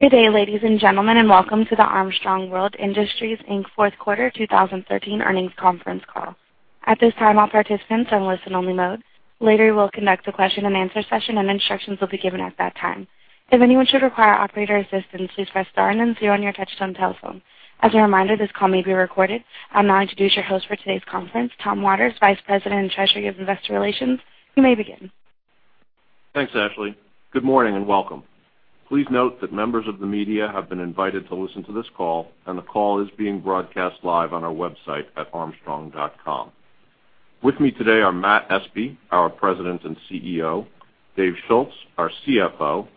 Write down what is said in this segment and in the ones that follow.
Good day, ladies and gentlemen, and welcome to the Armstrong World Industries, Inc. fourth quarter 2013 earnings conference call. At this time, all participants are in listen-only mode. Later, we'll conduct a question and answer session, and instructions will be given at that time. If anyone should require operator assistance, please press star and then zero on your touch-tone telephone. As a reminder, this call may be recorded. I'll now introduce your host for today's conference, Thomas J. Waters, Vice President and Treasurer of Investor Relations. You may begin. Thanks, Ashley. Good morning, and welcome. Please note that members of the media have been invited to listen to this call, the call is being broadcast live on our website at armstrong.com. With me today are Matthew Espe, our President and CEO, David Schulz, our CFO,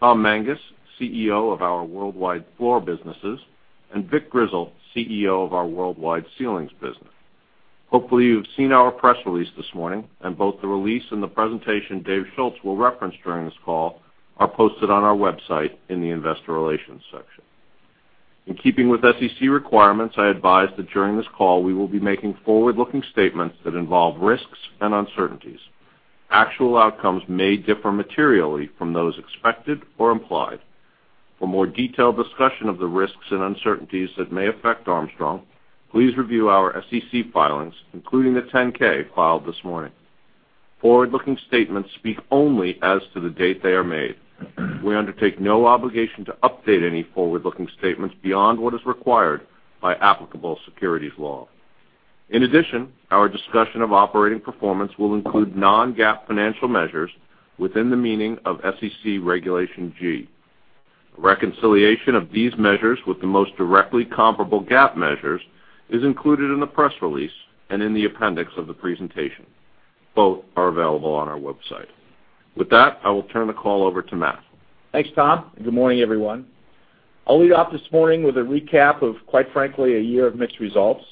Thomas Mangas, CEO of our worldwide floor businesses, and Victor Grizzle, CEO of our worldwide ceilings business. Hopefully, you've seen our press release this morning, both the release and the presentation David Schulz will reference during this call are posted on our website in the investor relations section. In keeping with SEC requirements, I advise that during this call, we will be making forward-looking statements that involve risks and uncertainties. Actual outcomes may differ materially from those expected or implied. For more detailed discussion of the risks and uncertainties that may affect Armstrong, please review our SEC filings, including the 10-K filed this morning. Forward-looking statements speak only as to the date they are made. We undertake no obligation to update any forward-looking statements beyond what is required by applicable securities law. In addition, our discussion of operating performance will include non-GAAP financial measures within the meaning of SEC Regulation G. Reconciliation of these measures with the most directly comparable GAAP measures is included in the press release and in the appendix of the presentation. Both are available on our website. With that, I will turn the call over to Matt. Thanks, Tom, good morning, everyone. I'll lead off this morning with a recap of, quite frankly, a year of mixed results.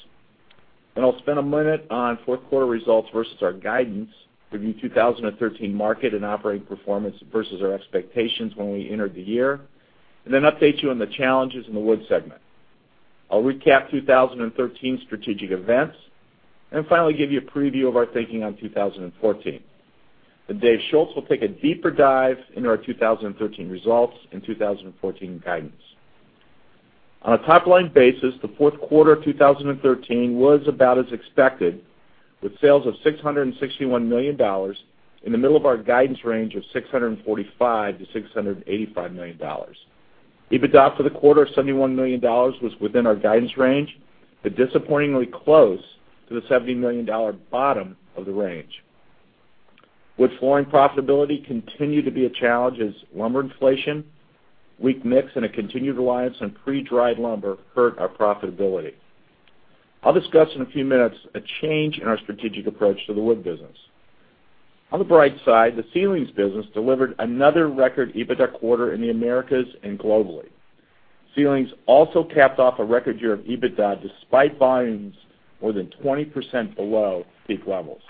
I'll spend a minute on fourth quarter results versus our guidance, review 2013 market and operating performance versus our expectations when we entered the year, update you on the challenges in the wood segment. I'll recap 2013 strategic events, finally, give you a preview of our thinking on 2014. David Schulz will take a deeper dive into our 2013 results and 2014 guidance. On a top-line basis, the fourth quarter of 2013 was about as expected, with sales of $661 million in the middle of our guidance range of $645 million-$685 million. EBITDA for the quarter of $71 million was within our guidance range, disappointingly close to the $70 million bottom of the range. Wood flooring profitability continued to be a challenge as lumber inflation, weak mix, and a continued reliance on pre-dried lumber hurt our profitability. I'll discuss in a few minutes a change in our strategic approach to the wood business. On the bright side, the ceilings business delivered another record EBITDA quarter in the Americas and globally. Ceilings also capped off a record year of EBITDA despite volumes more than 20% below peak levels.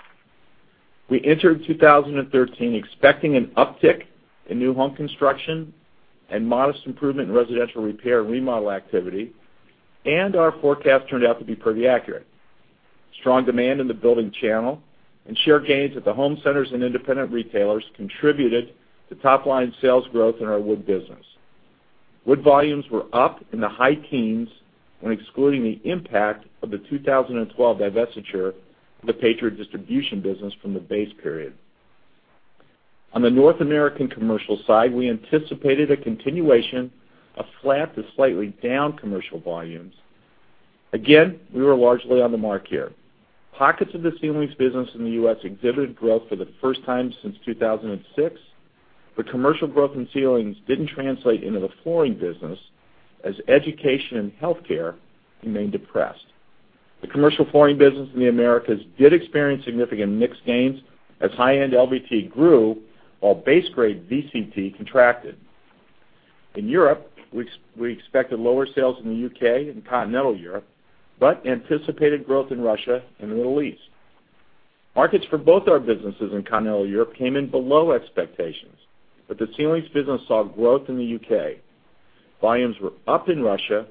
We entered 2013 expecting an uptick in new home construction and modest improvement in residential repair and remodel activity. Our forecast turned out to be pretty accurate. Strong demand in the building channel and share gains at the home centers and independent retailers contributed to top-line sales growth in our wood business. Wood volumes were up in the [high teens] when excluding the impact of the 2012 divestiture of the Patriot Flooring Supply from the base period. On the North American commercial side, we anticipated a continuation of flat to slightly down commercial volumes. Again, we were largely on the mark here. Pockets of the ceilings business in the U.S. exhibited growth for the first time since 2006. Commercial growth in ceilings didn't translate into the flooring business as education and healthcare remained depressed. The commercial flooring business in the Americas did experience significant mixed gains as high-end LVT grew while base grade VCT contracted. In Europe, we expected lower sales in the U.K. and continental Europe. We anticipated growth in Russia and the Middle East. Markets for both our businesses in continental Europe came in below expectations. The ceilings business saw growth in the U.K. Volumes were up in Russia,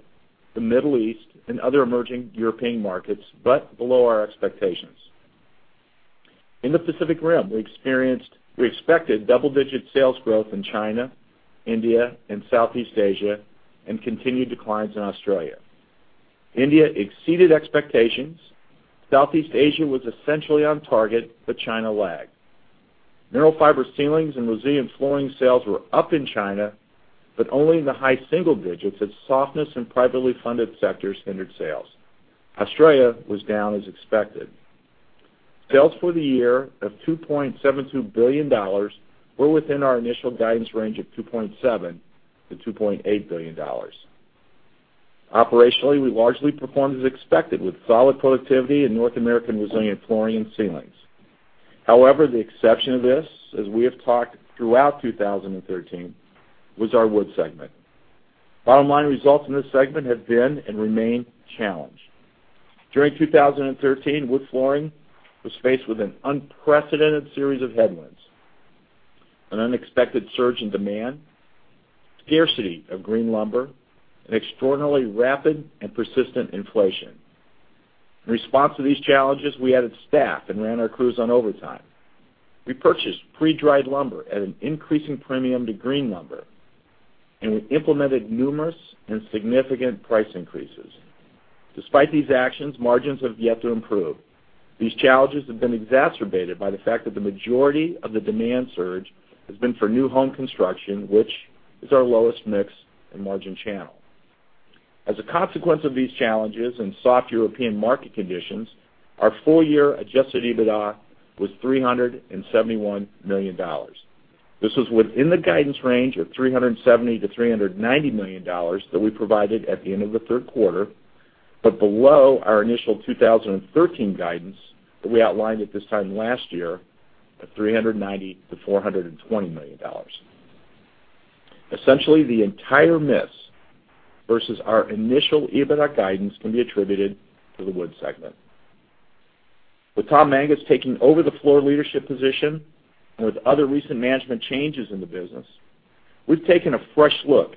the Middle East, and other emerging European markets. Volumes were below our expectations. In the Pacific Rim, we expected double-digit sales growth in China, India, and Southeast Asia. We expected continued declines in Australia. India exceeded expectations. Southeast Asia was essentially on target. China lagged. Mineral fiber ceilings and resilient flooring sales were up in China, but only in the high single digits as softness in privately funded sectors hindered sales. Australia was down as expected. Sales for the year of $2.72 billion were within our initial guidance range of $2.7 billion-$2.8 billion. Operationally, we largely performed as expected with solid productivity in North American resilient flooring and ceilings. However, the exception of this, as we have talked throughout 2013, was our wood segment. Bottom-line results in this segment have been and remain challenged. During 2013, wood flooring was faced with an unprecedented series of headwinds: an unexpected surge in demand, scarcity of green lumber, and extraordinarily rapid and persistent inflation. In response to these challenges, we added staff and ran our crews on overtime. We purchased pre-dried lumber at an increasing premium to green lumber. We implemented numerous and significant price increases. Despite these actions, margins have yet to improve. These challenges have been exacerbated by the fact that the majority of the demand surge has been for new home construction, which is our lowest mix and margin channel. As a consequence of these challenges and soft European market conditions, our full-year adjusted EBITDA was $371 million. This was within the guidance range of $370 million-$390 million that we provided at the end of the third quarter. Below our initial 2013 guidance that we outlined at this time last year of $390 million-$420 million. Essentially, the entire miss versus our initial EBITDA guidance can be attributed to the wood segment. With Tom Mangas taking over the floor leadership position and with other recent management changes in the business, we've taken a fresh look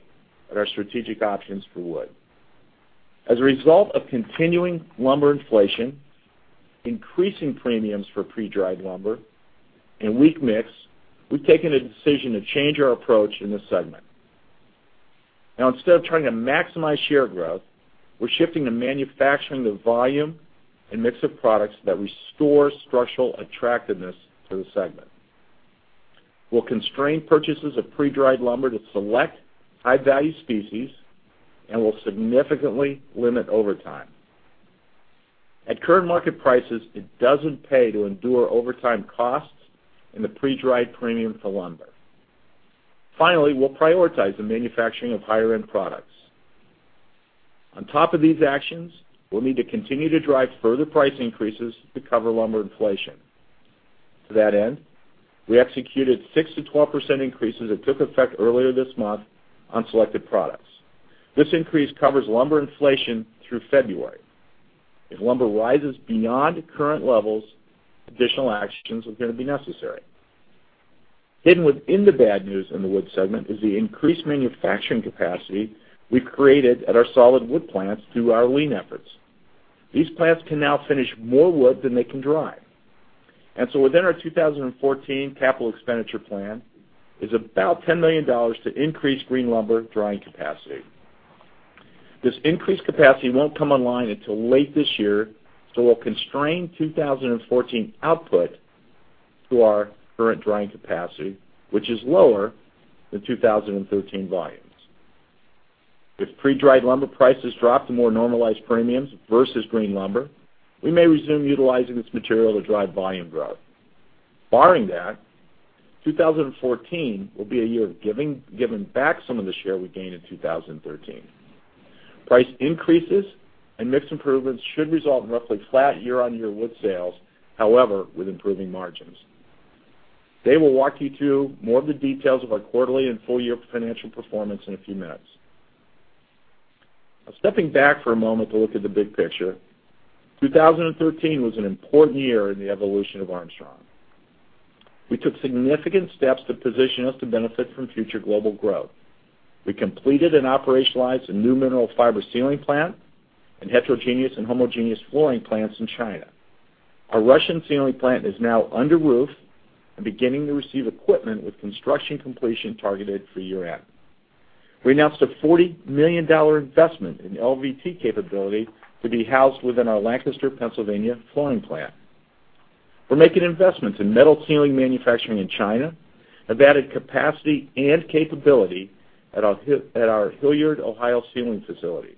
at our strategic options for wood. As a result of continuing lumber inflation, increasing premiums for pre-dried lumber, and weak mix, we've taken a decision to change our approach in this segment. Instead of trying to maximize share growth, we're shifting to manufacturing the volume and mix of products that restore structural attractiveness to the segment. We'll constrain purchases of pre-dried lumber to select high-value species. We'll significantly limit overtime. At current market prices, it doesn't pay to endure overtime costs and the pre-dried premium for lumber. Finally, we'll prioritize the manufacturing of higher-end products. On top of these actions, we'll need to continue to drive further price increases to cover lumber inflation. To that end, we executed 6%-12% increases that took effect earlier this month on selected products. This increase covers lumber inflation through February. If lumber rises beyond current levels, additional actions are going to be necessary. Hidden within the bad news in the wood segment is the increased manufacturing capacity we created at our solid wood plants through our lean efforts. These plants can now finish more wood than they can dry. Within our 2014 capital expenditure plan is about $10 million to increase green lumber drying capacity. This increased capacity won't come online until late this year. We'll constrain 2014 output to our current drying capacity, which is lower than 2013 volumes. If pre-dried lumber prices drop to more normalized premiums versus green lumber, we may resume utilizing this material to drive volume growth. Barring that, 2014 will be a year of giving back some of the share we gained in 2013. Price increases and mix improvements should result in roughly flat year-on-year wood sales, however, with improving margins. Dave will walk you through more of the details of our quarterly and full-year financial performance in a few minutes. Stepping back for a moment to look at the big picture, 2013 was an important year in the evolution of Armstrong. We took significant steps to position us to benefit from future global growth. We completed and operationalized a new mineral fiber ceiling plant and heterogeneous and homogeneous flooring plants in China. Our Russian ceiling plant is now under roof and beginning to receive equipment with construction completion targeted for year-end. We announced a $40 million investment in LVT capability to be housed within our Lancaster, Pennsylvania, flooring plant. We're making investments in metal ceiling manufacturing in China and have added capacity and capability at our Hilliard, Ohio, ceiling facility.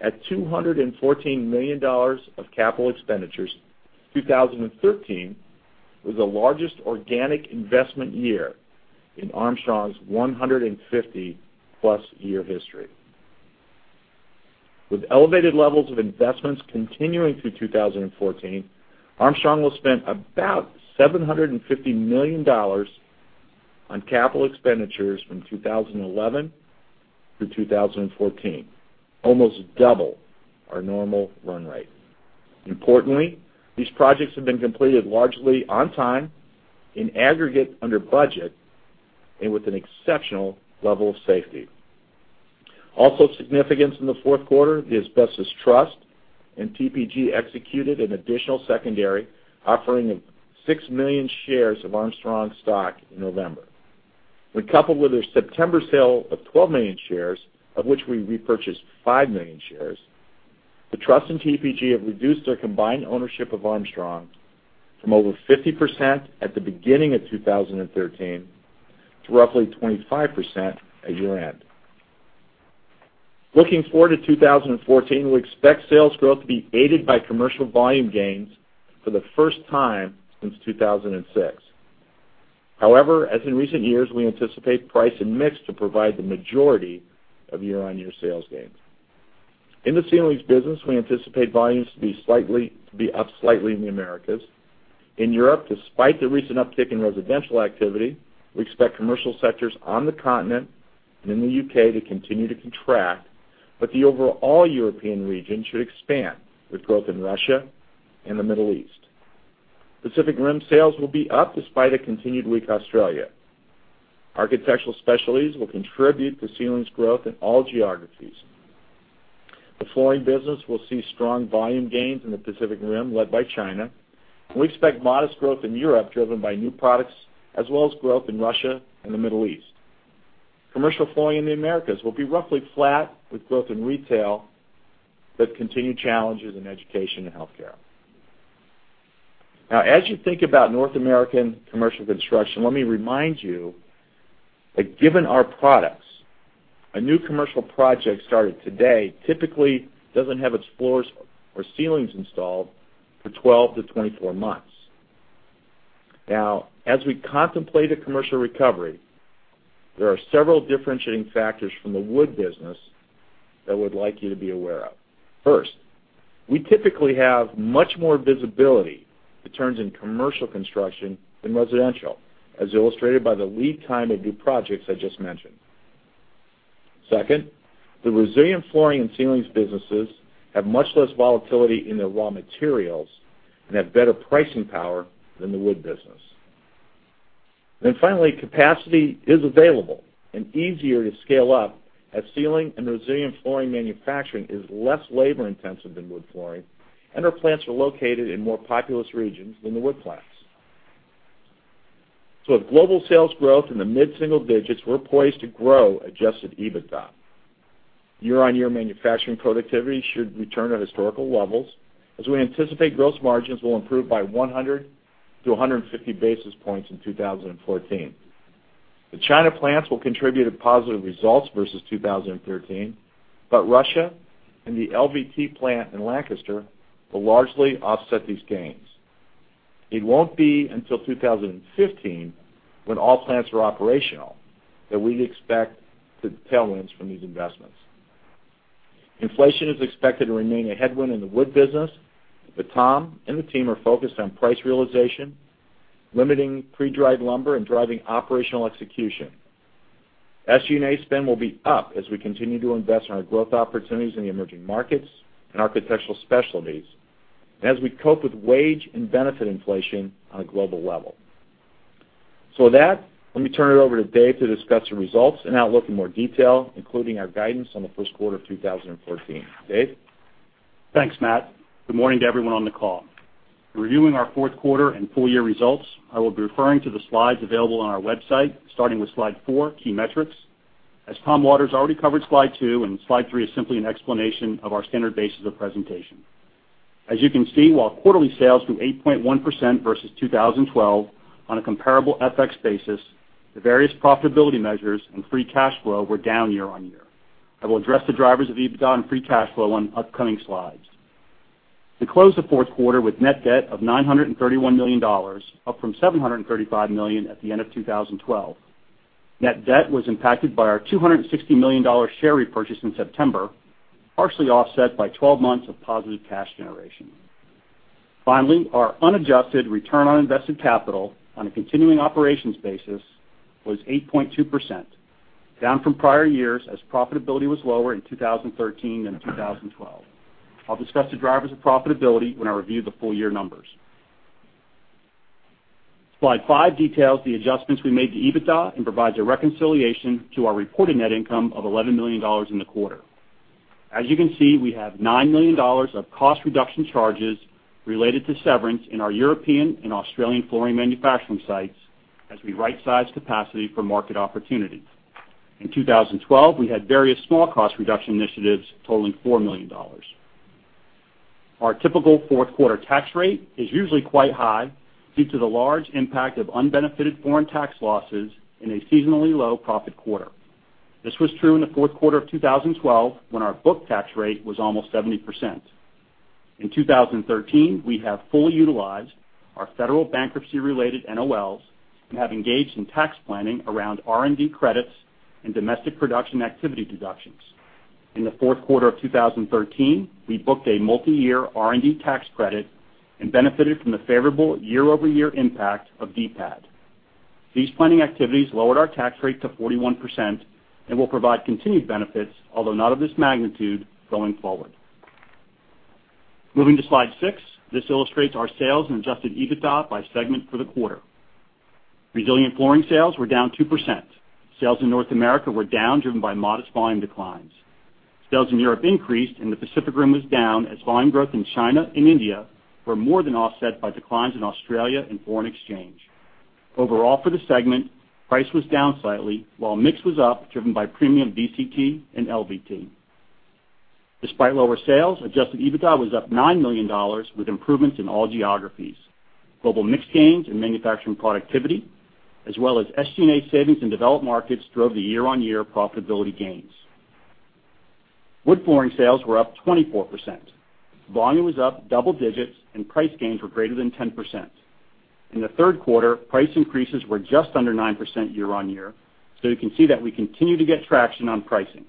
At $214 million of capital expenditures, 2013 was the largest organic investment year in Armstrong's 150-plus year history. With elevated levels of investments continuing through 2014, Armstrong will have spent about $750 million on capital expenditures from 2011 through 2014, almost double our normal run rate. Importantly, these projects have been completed largely on time, in aggregate, under budget, and with an exceptional level of safety. Also of significance in the fourth quarter, the Asbestos Trust and TPG executed an additional secondary offering of 6 million shares of Armstrong stock in November. When coupled with their September sale of 12 million shares, of which we repurchased 5 million shares, the Trust and TPG have reduced their combined ownership of Armstrong from over 50% at the beginning of 2013 to roughly 25% at year-end. Looking forward to 2014, we expect sales growth to be aided by commercial volume gains for the first time since 2006. As in recent years, we anticipate price and mix to provide the majority of year-on-year sales gains. In the ceilings business, we anticipate volumes to be up slightly in the Americas. In Europe, despite the recent uptick in residential activity, we expect commercial sectors on the continent and in the U.K. to continue to contract, but the overall European region should expand with growth in Russia and the Middle East. Pacific Rim sales will be up despite a continued weak Australia. Architectural Specialties will contribute to ceilings growth in all geographies. The flooring business will see strong volume gains in the Pacific Rim, led by China, and we expect modest growth in Europe, driven by new products, as well as growth in Russia and the Middle East. Commercial flooring in the Americas will be roughly flat with growth in retail, but continued challenges in education and healthcare. As you think about North American commercial construction, let me remind you that given our products, a new commercial project started today typically doesn't have its floors or ceilings installed for 12 to 24 months. As we contemplate a commercial recovery, there are several differentiating factors from the wood business that we'd like you to be aware of. First, we typically have much more visibility to turns in commercial construction than residential, as illustrated by the lead time of new projects I just mentioned. Second, the resilient flooring and ceilings businesses have much less volatility in their raw materials and have better pricing power than the wood business. Finally, capacity is available and easier to scale up as ceiling and resilient flooring manufacturing is less labor-intensive than wood flooring, and our plants are located in more populous regions than the wood plants. With global sales growth in the mid-single digits, we're poised to grow adjusted EBITDA. Year-on-year manufacturing productivity should return to historical levels as we anticipate gross margins will improve by 100 to 150 basis points in 2014. The China plants will contribute to positive results versus 2013, but Russia and the LVT plant in Lancaster will largely offset these gains. It won't be until 2015, when all plants are operational, that we expect the tailwinds from these investments. Inflation is expected to remain a headwind in the wood business, but Tom and the team are focused on price realization, limiting pre-kiln-dried lumber, and driving operational execution. SG&A spend will be up as we continue to invest in our growth opportunities in the emerging markets and Architectural Specialties, and as we cope with wage and benefit inflation on a global level. With that, let me turn it over to Dave to discuss the results and outlook in more detail, including our guidance on the first quarter of 2014. Dave? Thanks, Matt. Good morning to everyone on the call. In reviewing our fourth quarter and full year results, I will be referring to the slides available on our website, starting with Slide four: Key Metrics. As Tom Waters already covered Slide two, and Slide three is simply an explanation of our standard basis of presentation. As you can see, while quarterly sales grew 8.1% versus 2012 on a comparable FX basis, the various profitability measures and free cash flow were down year-on-year. I will address the drivers of EBITDA and free cash flow on upcoming slides. We closed the fourth quarter with net debt of $931 million, up from $735 million at the end of 2012. Net debt was impacted by our $260 million share repurchase in September, partially offset by 12 months of positive cash generation. Finally, our unadjusted return on invested capital on a continuing operations basis was 8.2%, down from prior years as profitability was lower in 2013 than in 2012. I'll discuss the drivers of profitability when I review the full-year numbers. Slide five details the adjustments we made to EBITDA and provides a reconciliation to our reported net income of $11 million in the quarter. As you can see, we have $9 million of cost reduction charges related to severance in our European and Australian flooring manufacturing sites as we rightsize capacity for market opportunities. In 2012, we had various small cost reduction initiatives totaling $4 million. Our typical fourth-quarter tax rate is usually quite high due to the large impact of unbenefited foreign tax losses in a seasonally low profit quarter. This was true in the fourth quarter of 2012, when our book tax rate was almost 70%. In 2013, we have fully utilized our federal bankruptcy-related NOLs and have engaged in tax planning around R&D credits and domestic production activity deductions. In the fourth quarter of 2013, we booked a multi-year R&D tax credit and benefited from the favorable year-over-year impact of DPAD. These planning activities lowered our tax rate to 41% and will provide continued benefits, although not of this magnitude, going forward. Moving to Slide six. This illustrates our sales and adjusted EBITDA by segment for the quarter. Resilient flooring sales were down 2%. Sales in North America were down, driven by modest volume declines. Sales in Europe increased, and the Pacific Rim was down as volume growth in China and India were more than offset by declines in Australia and foreign exchange. Overall, for the segment, price was down slightly while mix was up, driven by premium VCT and LVT. Despite lower sales, Adjusted EBITDA was up $9 million with improvements in all geographies. Global mix gains and manufacturing productivity, as well as SG&A savings in developed markets, drove the year-on-year profitability gains. Wood flooring sales were up 24%. Volume was up double digits and price gains were greater than 10%. In the third quarter, price increases were just under 9% year-on-year. You can see that we continue to get traction on pricing.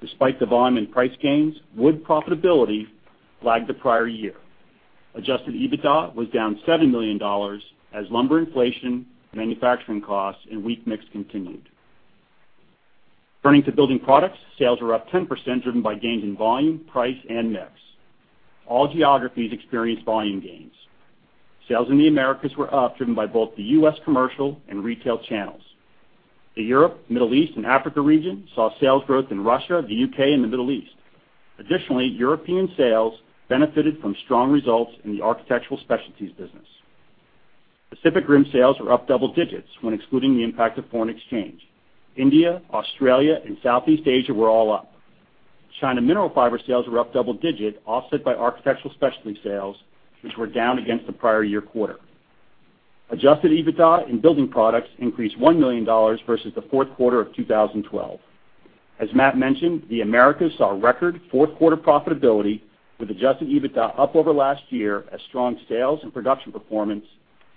Despite the volume and price gains, wood profitability lagged the prior year. Adjusted EBITDA was down $7 million as lumber inflation, manufacturing costs, and weak mix continued. Turning to Building Products, sales were up 10%, driven by gains in volume, price, and mix. All geographies experienced volume gains. Sales in the Americas were up, driven by both the U.S. commercial and retail channels. The Europe, Middle East, and Africa region saw sales growth in Russia, the U.K., and the Middle East. Additionally, European sales benefited from strong results in the Architectural Specialties business. Pacific Rim sales were up double digits when excluding the impact of foreign exchange. India, Australia, and Southeast Asia were all up. China mineral fiber sales were up double digit, offset by Architectural Specialties sales, which were down against the prior year quarter. Adjusted EBITDA in Building Products increased $1 million versus the fourth quarter of 2012. As Matt mentioned, the Americas saw record fourth-quarter profitability with Adjusted EBITDA up over last year as strong sales and production performance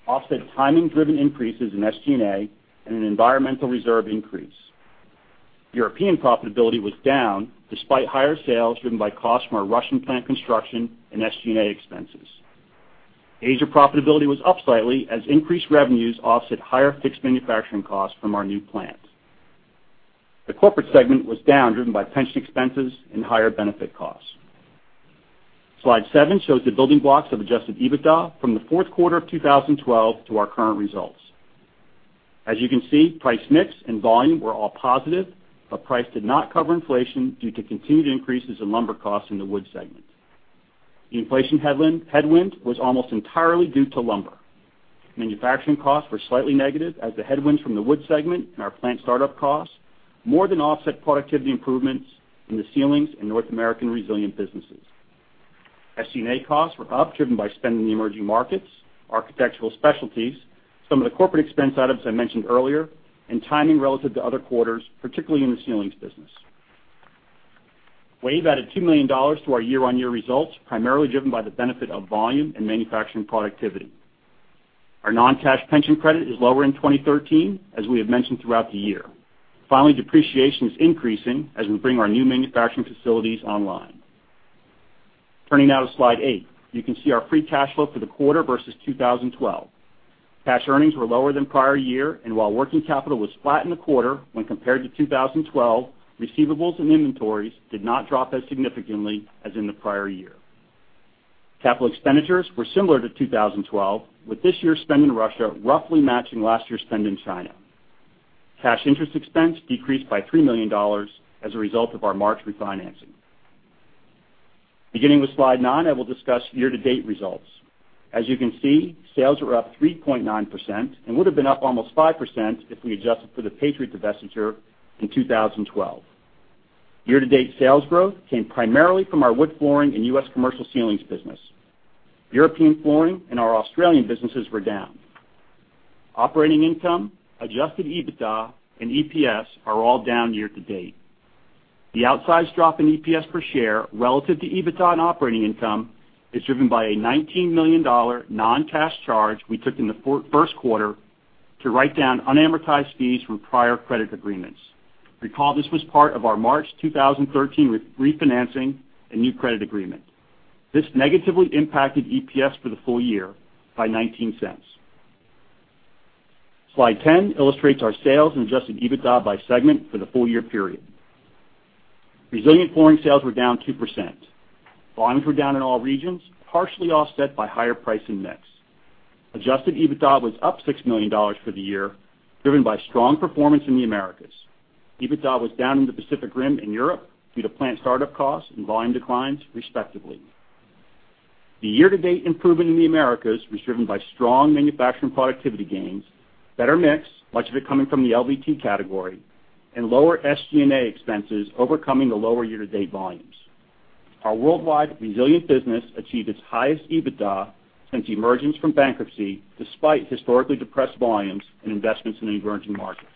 offset timing-driven increases in SG&A and an environmental reserve increase. European profitability was down despite higher sales driven by costs from our Russian plant construction and SG&A expenses. Asia profitability was up slightly as increased revenues offset higher fixed manufacturing costs from our new plant. The corporate segment was down, driven by pension expenses and higher benefit costs. Slide seven shows the building blocks of Adjusted EBITDA from the fourth quarter of 2012 to our current results. As you can see, price mix and volume were all positive, but price did not cover inflation due to continued increases in lumber costs in the wood segment. The inflation headwind was almost entirely due to lumber. Manufacturing costs were slightly negative as the headwinds from the wood segment and our plant startup costs more than offset productivity improvements in the ceilings and North American resilient businesses. SG&A costs were up, driven by spend in the emerging markets, Architectural Specialties, some of the corporate expense items I mentioned earlier, and timing relative to other quarters, particularly in the ceilings business. WAVE added $2 million to our year-on-year results, primarily driven by the benefit of volume and manufacturing productivity. Our non-cash pension credit is lower in 2013, as we have mentioned throughout the year. Finally, depreciation is increasing as we bring our new manufacturing facilities online. Turning now to slide eight. You can see our free cash flow for the quarter versus 2012. Cash earnings were lower than prior year, and while working capital was flat in the quarter when compared to 2012, receivables and inventories did not drop as significantly as in the prior year. Capital expenditures were similar to 2012, with this year's spend in Russia roughly matching last year's spend in China. Cash interest expense decreased by $3 million as a result of our March refinancing. Beginning with slide nine, I will discuss year-to-date results. As you can see, sales are up 3.9% and would have been up almost 5% if we adjusted for the Patriot divestiture in 2012. Year-to-date sales growth came primarily from our wood flooring and U.S. commercial ceilings business. European flooring and our Australian businesses were down. Operating income, adjusted EBITDA, and EPS are all down year to date. The outsized drop in EPS per share relative to EBITDA and operating income is driven by a $19 million non-cash charge we took in the first quarter to write down unamortized fees from prior credit agreements. Recall, this was part of our March 2013 refinancing and new credit agreement. This negatively impacted EPS for the full year by $0.19. Slide 10 illustrates our sales and adjusted EBITDA by segment for the full-year period. Resilient flooring sales were down 2%. Volumes were down in all regions, partially offset by higher price and mix. Adjusted EBITDA was up $6 million for the year, driven by strong performance in the Americas. EBITDA was down in the Pacific Rim and Europe due to plant startup costs and volume declines, respectively. The year-to-date improvement in the Americas was driven by strong manufacturing productivity gains, better mix, much of it coming from the LVT category, and lower SG&A expenses overcoming the lower year-to-date volumes. Our worldwide resilient business achieved its highest EBITDA since emergence from bankruptcy, despite historically depressed volumes and investments in emerging markets.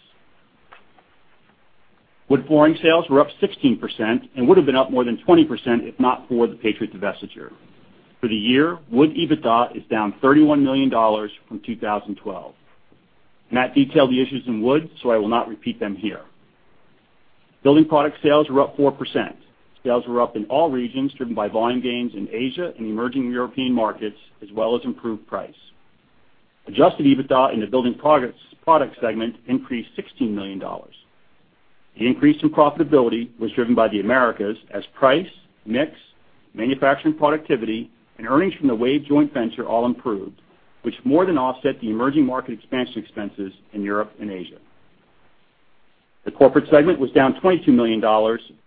Wood flooring sales were up 16% and would have been up more than 20% if not for the Patriot divestiture. For the year, wood EBITDA is down $31 million from 2012. Matt detailed the issues in wood, so I will not repeat them here. Building Products sales were up 4%. Sales were up in all regions, driven by volume gains in Asia and emerging European markets, as well as improved price. Adjusted EBITDA in the Building Products segment increased $16 million. The increase in profitability was driven by the Americas as price, mix, manufacturing productivity, and earnings from the WAVE joint venture all improved, which more than offset the emerging market expansion expenses in Europe and Asia. The corporate segment was down $22 million,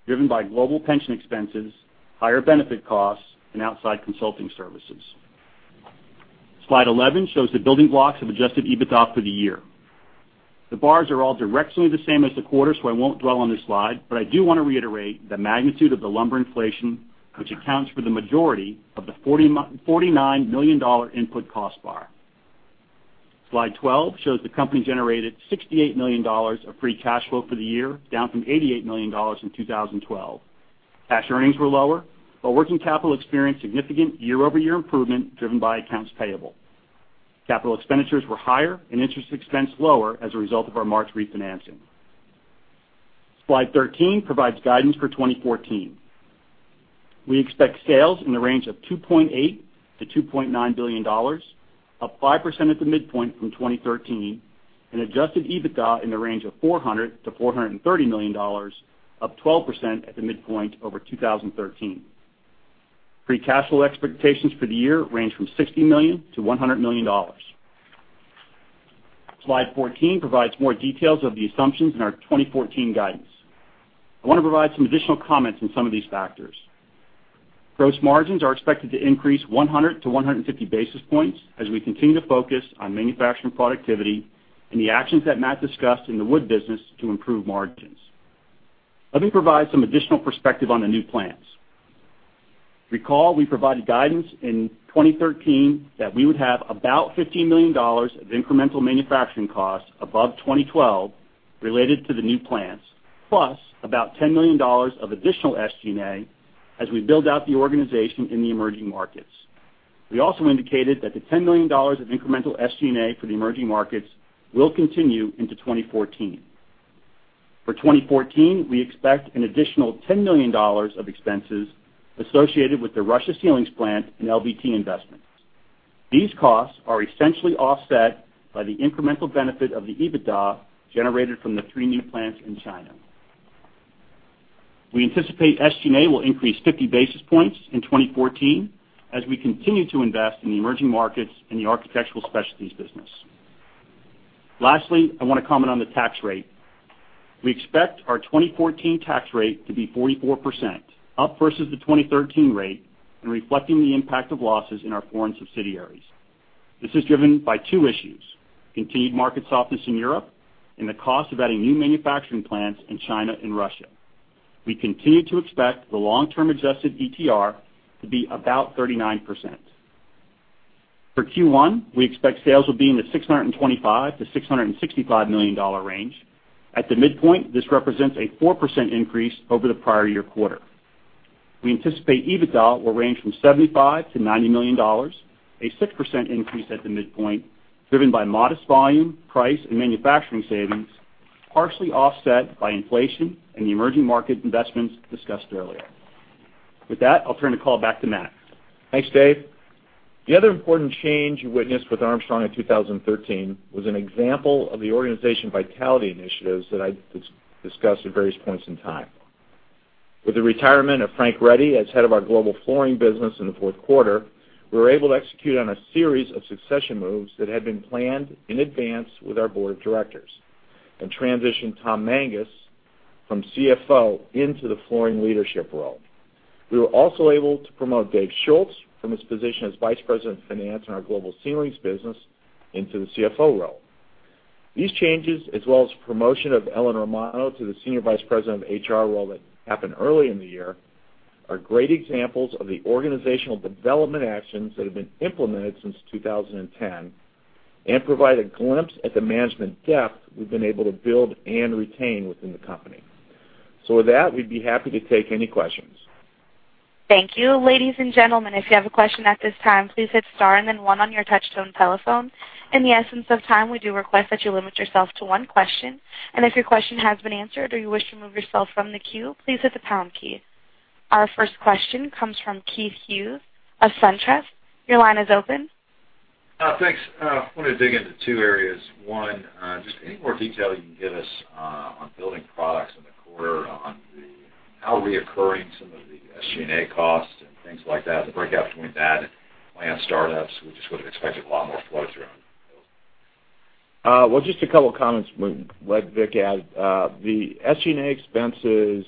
driven by global pension expenses, higher benefit costs, and outside consulting services. Slide 11 shows the building blocks of adjusted EBITDA for the year. The bars are all directionally the same as the quarter, so I won't dwell on this slide, but I do want to reiterate the magnitude of the lumber inflation, which accounts for the majority of the $49 million input cost bar. Slide 12 shows the company generated $68 million of free cash flow for the year, down from $88 million in 2012. Cash earnings were lower, while working capital experienced significant year-over-year improvement driven by accounts payable. Capital expenditures were higher and interest expense lower as a result of our March refinancing. Slide 13 provides guidance for 2014. We expect sales in the range of $2.8 billion-$2.9 billion, up 5% at the midpoint from 2013, and adjusted EBITDA in the range of $400 million-$430 million, up 12% at the midpoint over 2013. Free cash flow expectations for the year range from $60 million-$100 million. Slide 14 provides more details of the assumptions in our 2014 guidance. I want to provide some additional comments on some of these factors. Gross margins are expected to increase 100 to 150 basis points as we continue to focus on manufacturing productivity and the actions that Matt discussed in the wood business to improve margins. Let me provide some additional perspective on the new plans. Recall, we provided guidance in 2013 that we would have about $15 million of incremental manufacturing costs above 2012 related to the new plans, plus about $10 million of additional SG&A as we build out the organization in the emerging markets. We also indicated that the $10 million of incremental SG&A for the emerging markets will continue into 2014. For 2014, we expect an additional $10 million of expenses associated with the Russia ceilings plant and LVT investments. These costs are essentially offset by the incremental benefit of the EBITDA generated from the three new plants in China. We anticipate SG&A will increase 50 basis points in 2014 as we continue to invest in the emerging markets and the Architectural Specialties business. Lastly, I want to comment on the tax rate. We expect our 2014 tax rate to be 44%, up versus the 2013 rate and reflecting the impact of losses in our foreign subsidiaries. This is driven by two issues, continued market softness in Europe and the cost of adding new manufacturing plants in China and Russia. We continue to expect the long-term adjusted ETR to be about 39%. For Q1, we expect sales will be in the $625 million-$665 million range. At the midpoint, this represents a 4% increase over the prior year quarter. We anticipate EBITDA will range from $75 million-$90 million, a 6% increase at the midpoint, driven by modest volume, price, and manufacturing savings, partially offset by inflation and the emerging market investments discussed earlier. With that, I'll turn the call back to Matt. Thanks, Dave. The other important change you witnessed with Armstrong in 2013 was an example of the organization vitality initiatives that I discussed at various points in time. With the retirement of Frank Ready as head of our global flooring business in the fourth quarter, we were able to execute on a series of succession moves that had been planned in advance with our board of directors and transition Thomas Mangas from CFO into the flooring leadership role. We were also able to promote David Schulz from his position as Vice President of Finance in our global ceilings business into the CFO role. These changes, as well as promotion of Ellen Romano to the Senior Vice President of HR role that happened early in the year, are great examples of the organizational development actions that have been implemented since 2010 and provide a glimpse at the management depth we've been able to build and retain within the company. With that, we'd be happy to take any questions. Thank you. Ladies and gentlemen, if you have a question at this time, please hit star and then one on your touch tone telephone. In the essence of time, we do request that you limit yourself to one question, and if your question has been answered or you wish to remove yourself from the queue, please hit the pound key. Our first question comes from Keith Hughes of SunTrust. Your line is open. Thanks. I want to dig into two areas. One, just any more detail you can give us on Building Products in the quarter on how reoccurring some of the SG&A costs and things like that, the breakout between that and plant startups. We just would've expected a lot more flow through on those. Well, just a couple of comments. Let Vic add. The SG&A expenses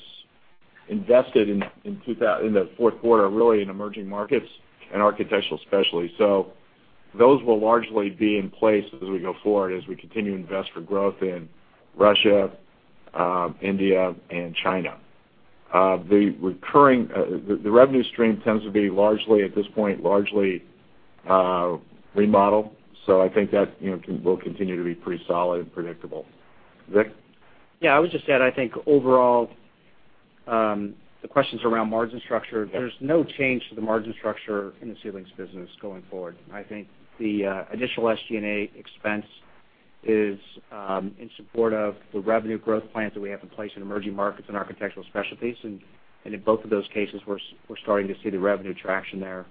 invested in the fourth quarter are really in emerging markets and Architectural Specialties. Those will largely be in place as we go forward, as we continue to invest for growth in Russia, India, and China. The revenue stream tends to be, at this point, largely remodel. I think that will continue to be pretty solid and predictable. Vic? I would just add, I think overall, the questions around margin structure. There's no change to the margin structure in the ceilings business going forward. I think the additional SG&A expense is in support of the revenue growth plans that we have in place in emerging markets and Architectural Specialties, and in both of those cases, we're starting to see the revenue traction there.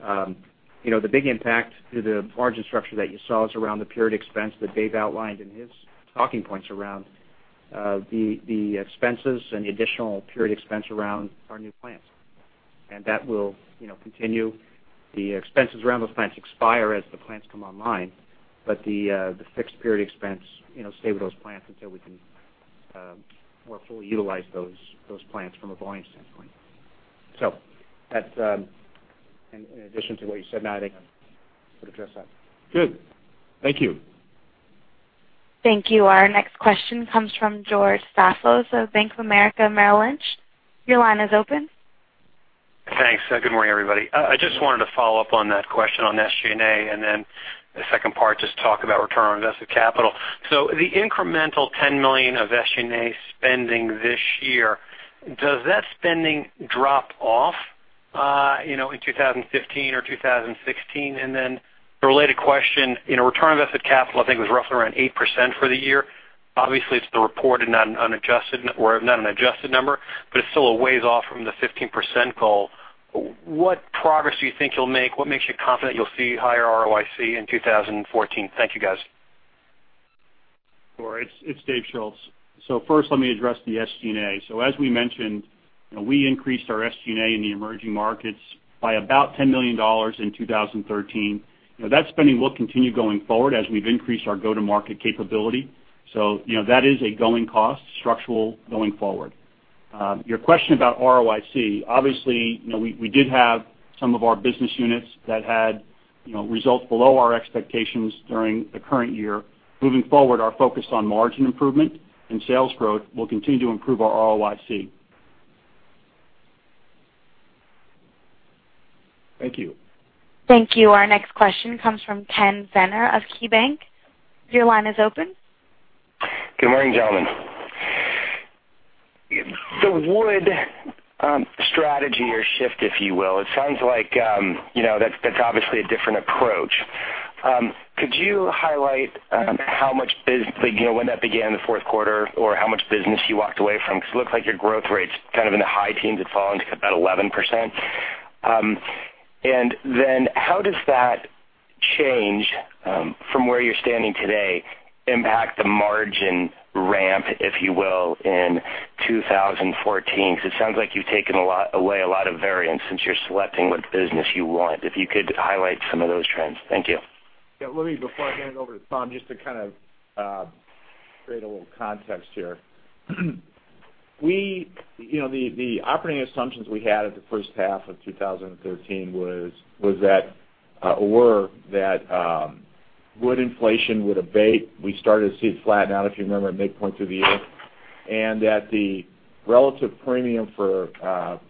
The big impact to the margin structure that you saw is around the period expense that Dave outlined in his talking points around the expenses and the additional period expense around our new plants. That will continue. The expenses around those plants expire as the plants come online, but the fixed period expense stay with those plants until we can more fully utilize those plants from a volume standpoint. That's in addition to what you said, Matt, I think would address that. Good. Thank you. Thank you. Our next question comes from George Staphos of Bank of America Merrill Lynch. Your line is open. Thanks. Good morning, everybody. I just wanted to follow up on that question on SG&A, and then the second part, just talk about return on invested capital. The incremental $10 million of SG&A spending this year, does that spending drop off in 2015 or 2016? The related question, return on invested capital, I think, was roughly around 8% for the year. Obviously, it's the reported, not an adjusted number, but it's still a ways off from the 15% goal. What progress do you think you'll make? What makes you confident you'll see higher ROIC in 2014? Thank you, guys. Sure. It's David Schulz. First let me address the SG&A. As we mentioned, we increased our SG&A in the emerging markets by about $10 million in 2013. That spending will continue going forward as we've increased our go-to-market capability. That is a going cost, structural going forward. Your question about ROIC, obviously, we did have some of our business units that had results below our expectations during the current year. Moving forward, our focus on margin improvement and sales growth will continue to improve our ROIC. Thank you. Thank you. Our next question comes from Ken Zener of KeyBanc. Your line is open. Good morning, gentlemen. The wood strategy or shift, if you will, it sounds like that's obviously a different approach. Could you highlight when that began the fourth quarter or how much business you walked away from? It looks like your growth rate's kind of in the high teens, it's fallen to about 11%. How does that change, from where you're standing today, impact the margin ramp, if you will, in 2014? It sounds like you've taken away a lot of variance since you're selecting what business you want. If you could highlight some of those trends. Thank you. Let me, before I hand it over to Tom, just to kind of create a little context here. The operating assumptions we had at the first half of 2013 were that wood inflation would abate. We started to see it flatten out, if you remember, at mid-point through the year, that the relative premium for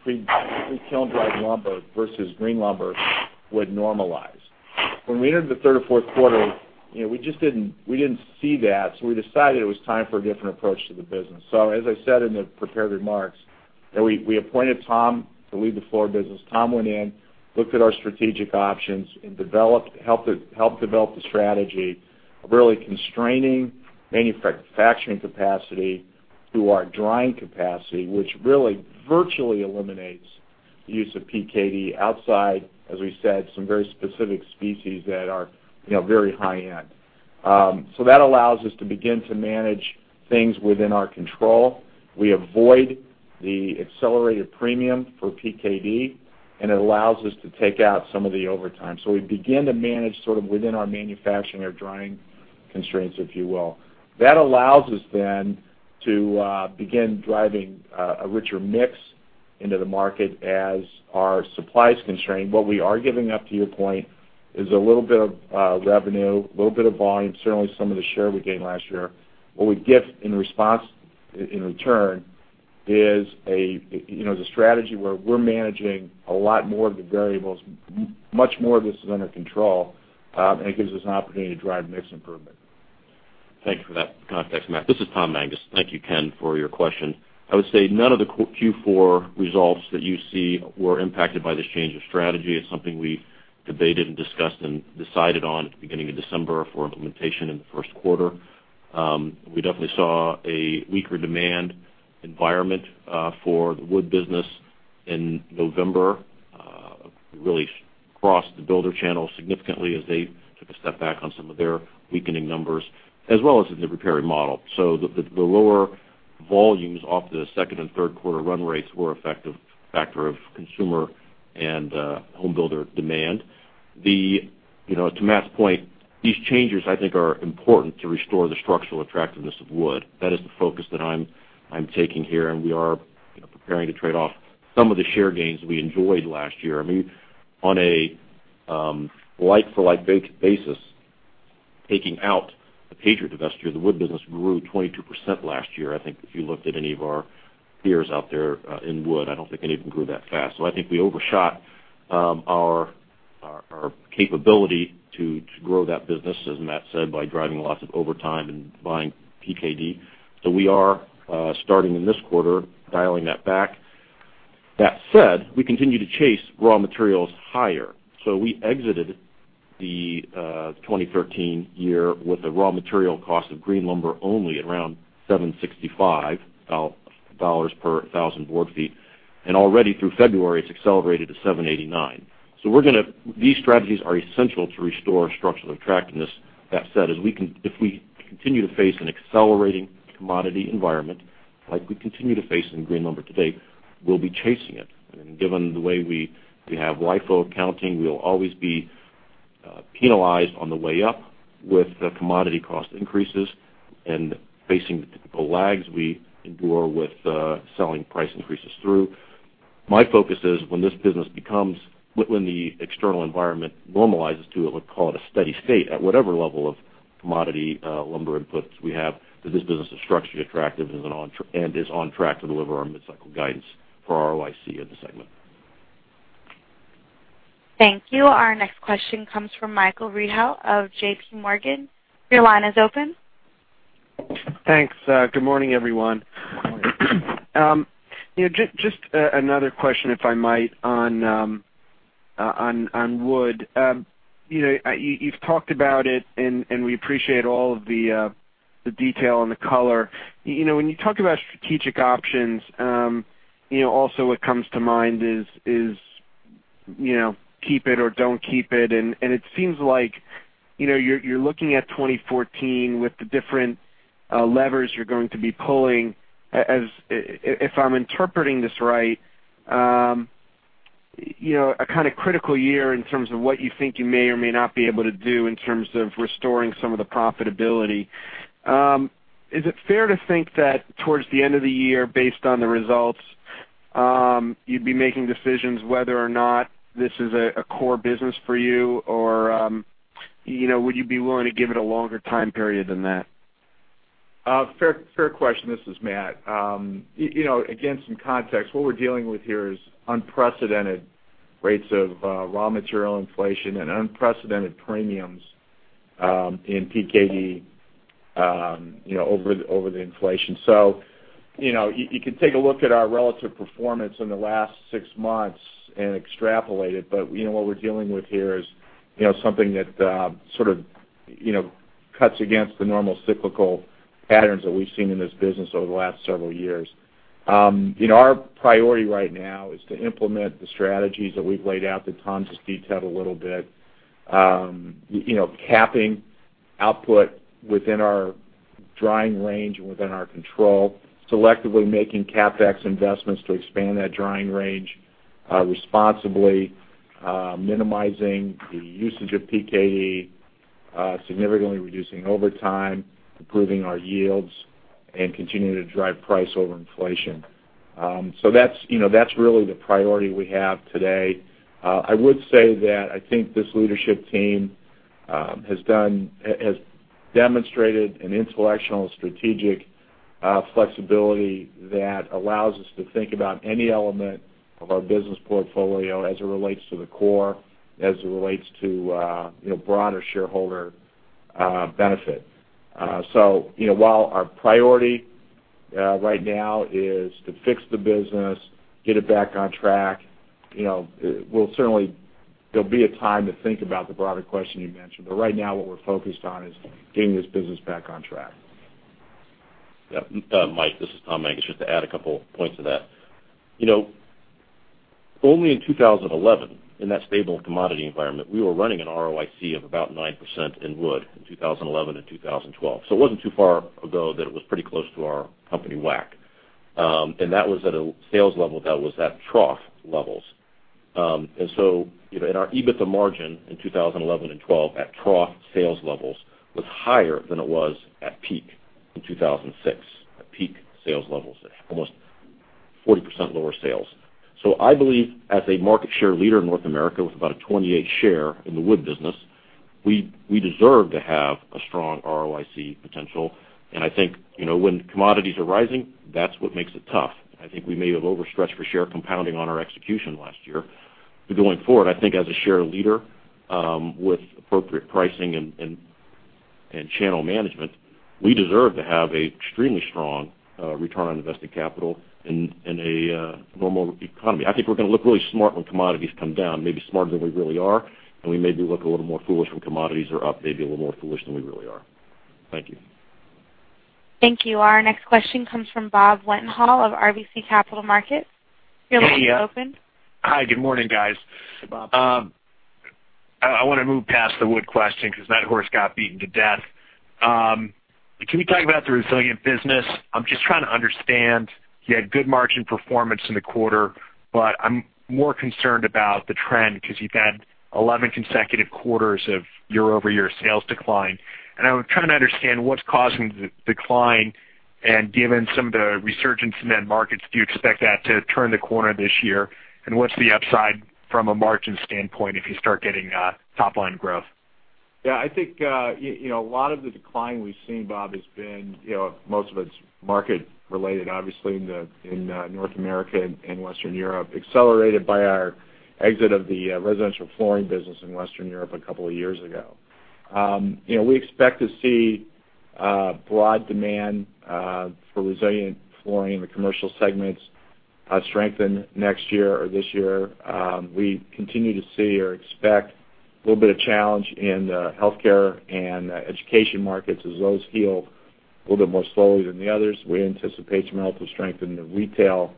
pre-kiln-dried lumber versus green lumber would normalize. When we entered the third or fourth quarter, we didn't see that, we decided it was time for a different approach to the business. As I said in the prepared remarks, we appointed Tom to lead the floor business. Tom went in, looked at our strategic options and helped develop the strategy of really constraining manufacturing capacity through our drying capacity, which really virtually eliminates the use of PKD outside, as we said, some very specific species that are very high-end. That allows us to begin to manage things within our control. We avoid the accelerated premium for PKD, it allows us to take out some of the overtime. We begin to manage sort of within our manufacturing or drying constraints, if you will. That allows us then to begin driving a richer mix into the market as our supply is constrained. What we are giving up, to your point, is a little bit of revenue, a little bit of volume, certainly some of the share we gained last year. What we get in return is a strategy where we're managing a lot more of the variables, much more of this is under control, it gives us an opportunity to drive mix improvement. Thank you for that context, Matt. This is Tom Mangas. Thank you, Ken, for your question. I would say none of the Q4 results that you see were impacted by this change of strategy. It's something we debated and discussed and decided on at the beginning of December for implementation in the first quarter. We definitely saw a weaker demand environment for the wood business in November. It really crossed the builder channel significantly as they took a step back on some of their weakening numbers, as well as in the repair model. The lower volumes off the second and third quarter run rates were a factor of consumer and home builder demand. To Matt's point, these changes, I think, are important to restore the structural attractiveness of wood. That is the focus that I'm taking here, we are preparing to trade off some of the share gains we enjoyed last year. On a like-for-like basis, taking out the Patriot divestiture, the wood business grew 22% last year. I think if you looked at any of our peers out there in wood, I don't think any of them grew that fast. I think we overshot our capability to grow that business, as Matt said, by driving lots of overtime and buying PKD. We are, starting in this quarter, dialing that back. That said, we continue to chase raw materials higher. We exited the 2013 year with a raw material cost of green lumber only at around $765 per 1,000 board feet, already through February, it's accelerated to $789. These strategies are essential to restore structural attractiveness. That said, if we continue to face an accelerating commodity environment like we continue to face in green lumber today, we'll be chasing it. Given the way we have LIFO accounting, we'll always be penalized on the way up with the commodity cost increases and facing the typical lags we endure with selling price increases through. My focus is when the external environment normalizes to what we call at a steady state, at whatever level of commodity lumber inputs we have, that this business is structurally attractive and is on track to deliver our mid-cycle guidance for ROIC in the segment. Thank you. Our next question comes from Michael Rehaut of JPMorgan. Your line is open. Thanks. Good morning, everyone. Good morning. Just another question, if I might, on On wood. You've talked about it, and we appreciate all of the detail and the color. When you talk about strategic options, also what comes to mind is keep it or don't keep it. It seems like you're looking at 2014 with the different levers you're going to be pulling, if I'm interpreting this right, a kind of critical year in terms of what you think you may or may not be able to do in terms of restoring some of the profitability. Is it fair to think that towards the end of the year, based on the results, you'd be making decisions whether or not this is a core business for you, or would you be willing to give it a longer time period than that? Fair question. This is Matt. Again, some context. What we're dealing with here is unprecedented rates of raw material inflation and unprecedented premiums in PKD over the inflation. You can take a look at our relative performance in the last six months and extrapolate it. What we're dealing with here is something that sort of cuts against the normal cyclical patterns that we've seen in this business over the last several years. Our priority right now is to implement the strategies that we've laid out, that Tom just detailed a little bit. Capping output within our drying range and within our control, selectively making CapEx investments to expand that drying range, responsibly minimizing the usage of PKD, significantly reducing overtime, improving our yields, and continuing to drive price over inflation. That's really the priority we have today. I would say that I think this leadership team has demonstrated an intellectual strategic flexibility that allows us to think about any element of our business portfolio as it relates to the core, as it relates to broader shareholder benefit. While our priority right now is to fix the business, get it back on track, there'll be a time to think about the broader question you mentioned. Right now what we're focused on is getting this business back on track. Yeah. Mike, this is Tom Mangas. Just to add a couple points to that. Only in 2011, in that stable commodity environment, we were running an ROIC of about 9% in wood in 2011 and 2012. It wasn't too far ago that it was pretty close to our company WACC. That was at a sales level that was at trough levels. Our EBITDA margin in 2011 and 2012 at trough sales levels was higher than it was at peak in 2006, at peak sales levels. Almost 40% lower sales. I believe as a market share leader in North America with about a 28 share in the wood business, we deserve to have a strong ROIC potential. I think, when commodities are rising, that's what makes it tough. I think we may have overstretched for share compounding on our execution last year. Going forward, I think as a share leader with appropriate pricing and channel management, we deserve to have an extremely strong return on invested capital in a normal economy. I think we're going to look really smart when commodities come down, maybe smarter than we really are, and we maybe look a little more foolish when commodities are up, maybe a little more foolish than we really are. Thank you. Thank you. Our next question comes from Bob Wetenhall of RBC Capital Markets. Your line is open. Hi, good morning, guys. Hey, Bob. I want to move past the wood question because that horse got beaten to death. Can you talk about the resilient business? I am just trying to understand. You had good margin performance in the quarter, but I am more concerned about the trend because you have had 11 consecutive quarters of year-over-year sales decline. I am trying to understand what is causing the decline. Given some of the resurgence in that markets, do you expect that to turn the corner this year? What is the upside from a margin standpoint if you start getting top-line growth? Yeah, I think a lot of the decline we have seen, Bob, has been, most of it is market related, obviously in North America and Western Europe, accelerated by our exit of the residential flooring business in Western Europe a couple of years ago. We expect to see broad demand for resilient flooring in the commercial segments strengthen next year or this year. We continue to see or expect a little bit of challenge in the healthcare and education markets as those heal a little bit more slowly than the others. We anticipate incremental strength in the retail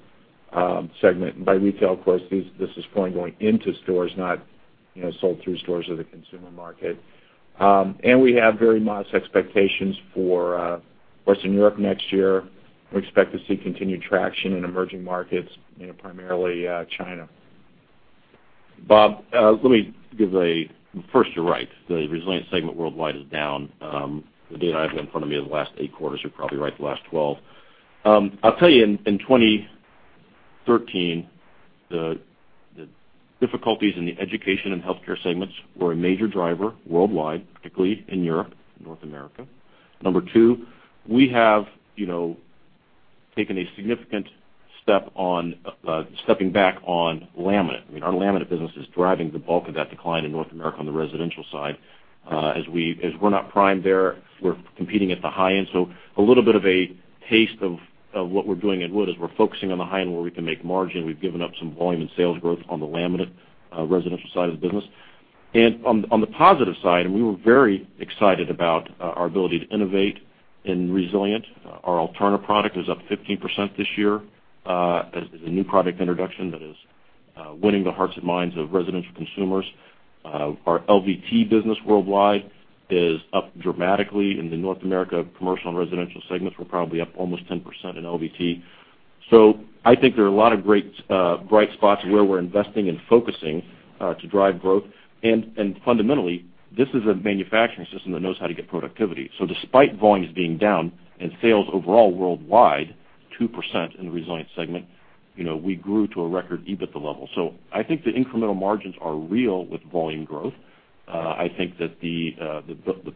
segment. By retail, of course, this is flooring going into stores, not sold through stores or the consumer market. We have very modest expectations for Western Europe next year. We expect to see continued traction in emerging markets, primarily China. Bob, first, you are right. The resilient segment worldwide is down. The data I have in front of me is the last eight quarters. You are probably right, the last 12. I will tell you, in 2013, the difficulties in the education and healthcare segments were a major driver worldwide, particularly in Europe and North America. Number two, we have taken a significant stepping back on laminate. Our laminate business is driving the bulk of that decline in North America on the residential side. As we are not primed there, we are competing at the high end. So a little bit of a taste of what we are doing in wood is we are focusing on the high end where we can make margin. We have given up some volume and sales growth on the laminate residential side of the business. On the positive side, and we were very excited about our ability to innovate in resilient. Our Alterna product is up 15% this year as a new product introduction that is winning the hearts and minds of residential consumers. Our LVT business worldwide is up dramatically. In the North America commercial and residential segments, we're probably up almost 10% in LVT. I think there are a lot of great bright spots where we're investing and focusing to drive growth. Fundamentally, this is a manufacturing system that knows how to get productivity. Despite volumes being down and sales overall worldwide 2% in the Resilient segment, we grew to a record EBITDA level. I think the incremental margins are real with volume growth. I think that the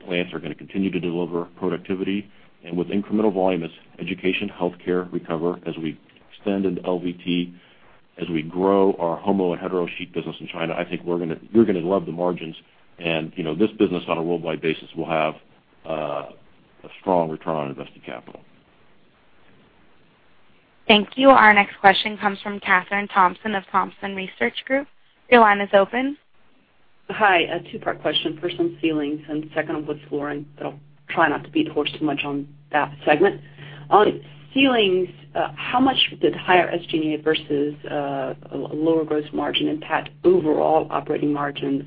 plants are going to continue to deliver productivity, with incremental volume as education, healthcare recover, as we extend into LVT, as we grow our homo and hetero sheet business in China, I think you're going to love the margins. This business, on a worldwide basis, will have a strong return on invested capital. Thank you. Our next question comes from Kathryn Thompson of Thompson Research Group. Your line is open. Hi. A two-part question. First on ceilings, second on wood flooring, I'll try not to beat a horse too much on that segment. On ceilings, how much did higher SG&A versus a lower gross margin impact overall operating margins?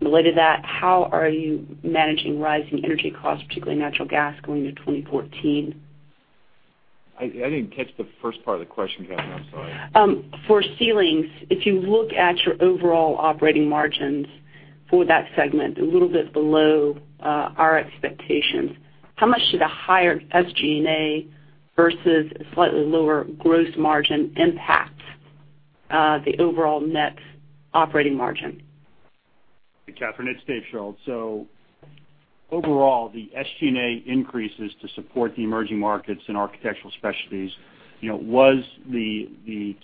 Related to that, how are you managing rising energy costs, particularly natural gas, going into 2014? I didn't catch the first part of the question, Kathryn, I'm sorry. For ceilings, if you look at your overall operating margins for that segment, they're a little bit below our expectations. How much did a higher SG&A versus a slightly lower gross margin impact the overall net operating margin? Hey, Kathryn, it's Dave Schulz. Overall, the SG&A increases to support the emerging markets and Architectural Specialties was the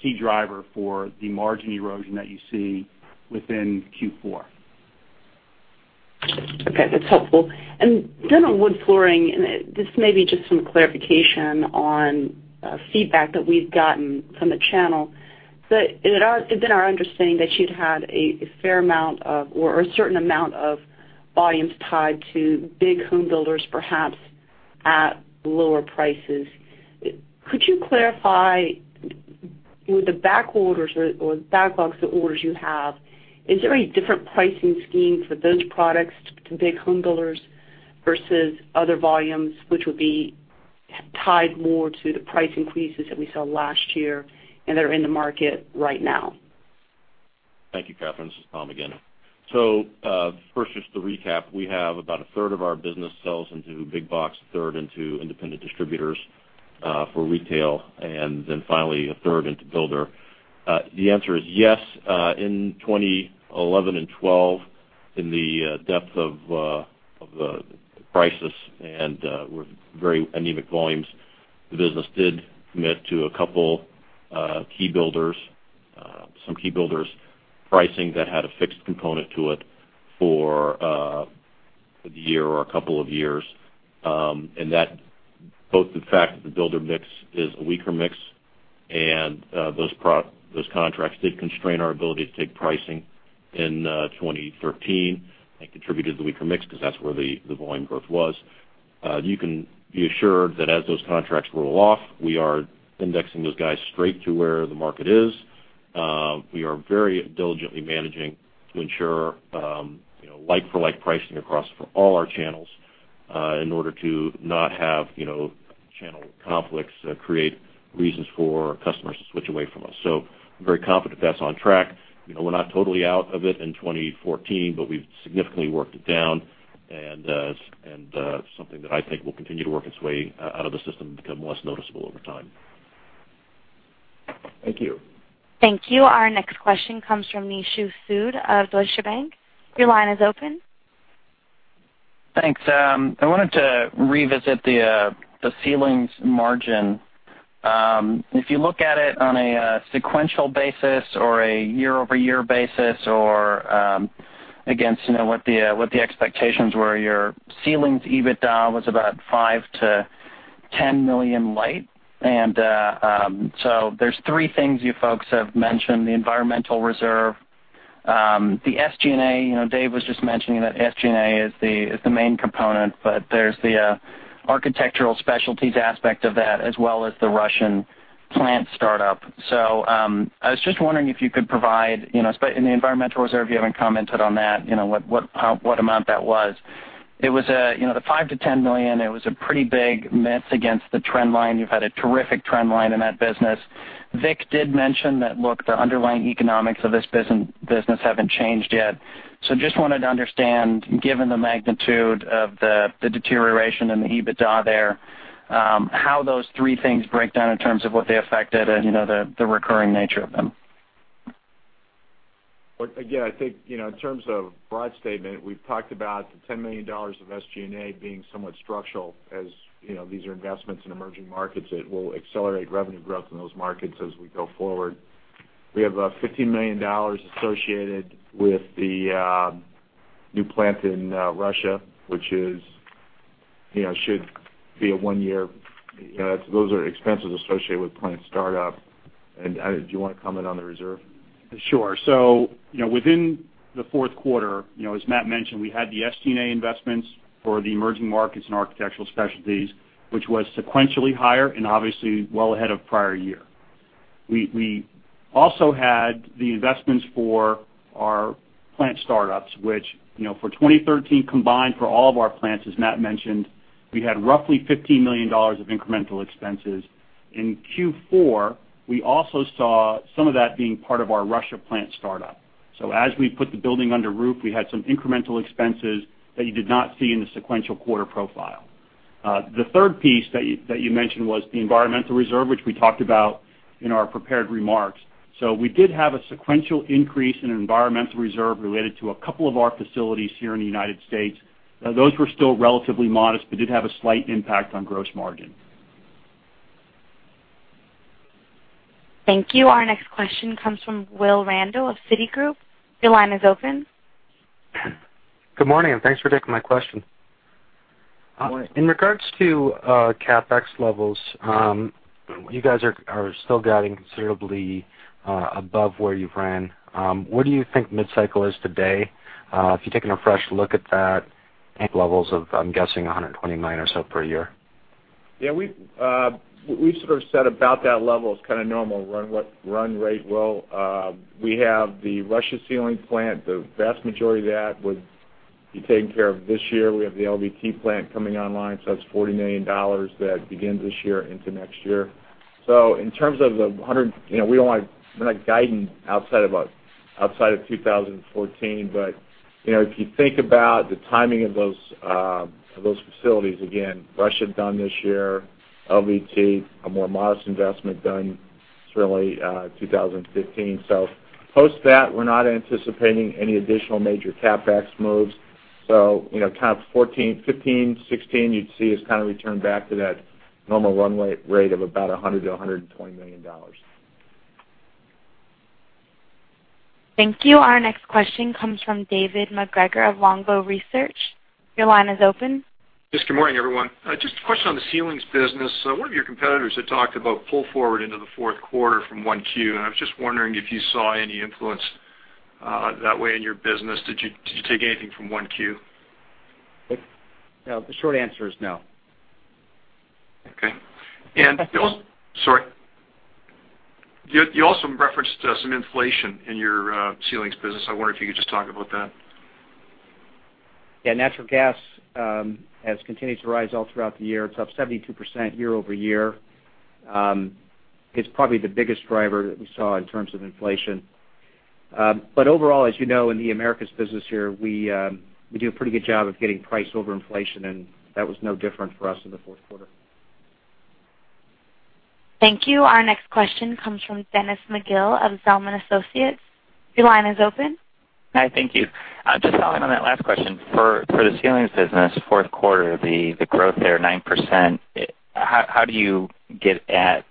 key driver for the margin erosion that you see within Q4. Okay. That's helpful. On wood flooring, and this may be just some clarification on feedback that we've gotten from the channel, but it had been our understanding that you'd had a fair amount of, or a certain amount of volumes tied to big home builders, perhaps at lower prices. Could you clarify, with the back orders or backlogs of orders you have, is there a different pricing scheme for those products to big home builders versus other volumes, which would be tied more to the price increases that we saw last year and that are in the market right now? Thank you, Kathryn. This is Tom again. First, just to recap, we have about a third of our business sells into big box, a third into independent distributors for retail, and then finally a third into builder. The answer is yes. In 2011 and 2012, in the depth of the crisis and with very anemic volumes, the business did commit to a couple key builders, some key builders' pricing that had a fixed component to it for the year or a couple of years. Both the fact that the builder mix is a weaker mix and those contracts did constrain our ability to take pricing in 2013 and contributed to weaker mix because that's where the volume growth was. You can be assured that as those contracts roll off, we are indexing those guys straight to where the market is. We are very diligently managing to ensure like-for-like pricing across for all our channels in order to not have channel conflicts that create reasons for customers to switch away from us. I'm very confident that's on track. We're not totally out of it in 2014, but we've significantly worked it down and it's something that I think will continue to work its way out of the system and become less noticeable over time. Thank you. Thank you. Our next question comes from Nishu Sood of Deutsche Bank. Your line is open. Thanks. I wanted to revisit the ceilings margin. If you look at it on a sequential basis or a year-over-year basis or against what the expectations were, your ceilings EBITDA was about $5 million-$10 million light. There's three things you folks have mentioned, the environmental reserve, the SG&A, Dave was just mentioning that SG&A is the main component, but there's the Architectural Specialties aspect of that as well as the Russian plant startup. I was just wondering if you could provide, in the environmental reserve, you haven't commented on that, what amount that was. The $5 million-$10 million, it was a pretty big miss against the trend line. You've had a terrific trend line in that business. Vic did mention that, look, the underlying economics of this business haven't changed yet. Just wanted to understand, given the magnitude of the deterioration in the EBITDA there, how those three things break down in terms of what they affected and the recurring nature of them. Look, again, I think in terms of broad statement, we've talked about the $10 million of SG&A being somewhat structural as these are investments in emerging markets that will accelerate revenue growth in those markets as we go forward. We have $15 million associated with the new plant in Russia, which should be a one year. Those are expenses associated with plant startup. Do you want to comment on the reserve? Sure. Within the fourth quarter, as Matt mentioned, we had the SG&A investments for the emerging markets and Architectural Specialties, which was sequentially higher and obviously well ahead of prior year. We also had the investments for our plant startups, which, for 2013, combined for all of our plants, as Matt mentioned, we had roughly $15 million of incremental expenses. In Q4, we also saw some of that being part of our Russia plant startup. As we put the building under roof, we had some incremental expenses that you did not see in the sequential quarter profile. The third piece that you mentioned was the environmental reserve, which we talked about in our prepared remarks. We did have a sequential increase in environmental reserve related to a couple of our facilities here in the United States. Those were still relatively modest, but did have a slight impact on gross margin. Thank you. Our next question comes from Will Randall of Citigroup. Your line is open. Good morning. Thanks for taking my question. Good morning. In regards to CapEx levels, you guys are still guiding considerably above where you've ran. Where do you think mid-cycle is today? If you're taking a fresh look at that, think levels of, I'm guessing, $129 or so per year. Yeah. We've sort of said about that level is kind of normal run rate. Well, we have the Russia ceiling plant. The vast majority of that would be taken care of this year. We have the LVT plant coming online, so that's $40 million that begins this year into next year. In terms of the $100, we're not guiding outside of 2014, but, if you think about the timing of those facilities, again, Russia done this year, LVT, a more modest investment done certainly 2015. Post that, we're not anticipating any additional major CapEx moves. 2014, 2015, 2016, you'd see us kind of return back to that normal run rate of about $100 million-$120 million. Thank you. Our next question comes from David MacGregor of Longbow Research. Your line is open. Yes, good morning, everyone. Just a question on the ceilings business. One of your competitors had talked about pull forward into the fourth quarter from 1Q, and I was just wondering if you saw any influence that way in your business. Did you take anything from 1Q? The short answer is no. Okay. Sorry. You also referenced some inflation in your ceilings business. I wonder if you could just talk about that. Yeah, natural gas has continued to rise all throughout the year. It's up 72% year-over-year. It's probably the biggest driver that we saw in terms of inflation. Overall, as you know, in the Americas business here, we do a pretty good job of getting price over inflation, and that was no different for us in the fourth quarter. Thank you. Our next question comes from Dennis McGill of Zelman & Associates. Your line is open. Hi, thank you. Just following on that last question. For the ceilings business, fourth quarter, the growth there, 9%, how do you get at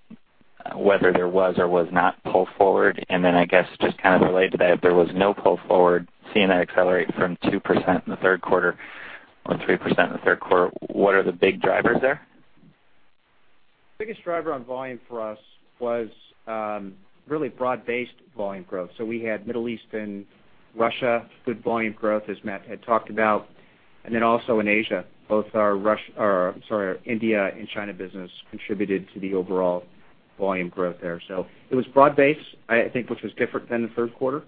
whether there was or was not pull forward? I guess, just kind of related to that, if there was no pull forward, seeing that accelerate from 2% in the third quarter or 3% in the third quarter, what are the big drivers there? Biggest driver on volume for us was really broad-based volume growth. We had Middle East and Russia, good volume growth, as Matt had talked about. Also in Asia, both our India and China business contributed to the overall volume growth there. It was broad-based, I think, which was different than the third quarter.